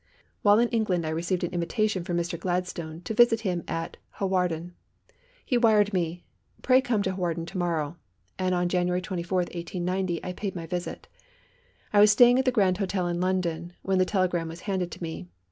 While in England I received an invitation from Mr. Gladstone to visit him at Hawarden. He wired me, "pray come to Hawarden to morrow," and on January 24, 1890, I paid my visit. I was staying at the Grand Hotel in London when the telegram was handed to me.